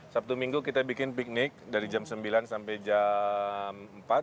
sabtu minggu kita bikin piknik dari jam sembilan sampai jam empat